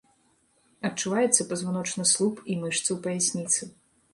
Адчуваецца пазваночны слуп і мышцы ў паясніцы.